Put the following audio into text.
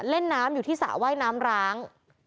เล่นน้ำอยู่ที่สระว่ายน้ำร้าง